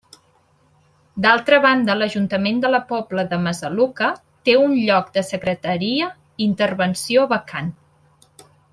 D'altra banda, l'Ajuntament de La Pobla de Massaluca té un lloc de secretaria intervenció vacant.